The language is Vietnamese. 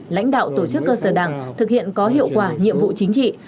lãnh đạo tổ chức cơ sở đảng thực hiện có hiệu quả nhiệm vụ chính trị